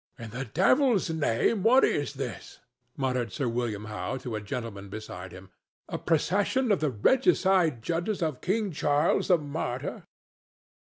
"In the devil's name, what is this?" muttered Sir William Howe to a gentleman beside him. "A procession of the regicide judges of King Charles the martyr?"